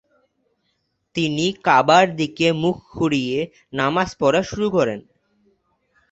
তিনি কাবার দিকে মুখ ঘুরিয়ে নামাজ পড়া শুরু করেন।